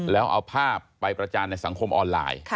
แล้วเอาภาพไปประจานในสังคมออนไลน์